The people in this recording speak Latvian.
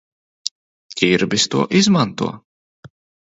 Ķirbis to izmanto.